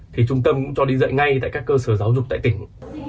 thì trung tâm cũng cho đi dạy ngay tại các cơ sở giáo dục tại tỉnh